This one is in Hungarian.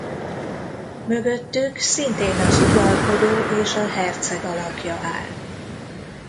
Mögöttük szintén az uralkodó és a herceg alakja áll.